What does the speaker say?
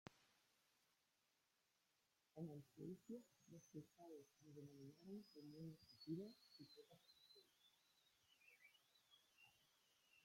En el juicio, los fiscales lo denominaron como un asesino psicópata sexual.